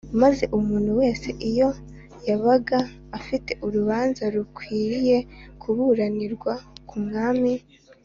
maze umuntu wese iyo yabaga afite urubanza rukwiriye kuburanirwa ku mwami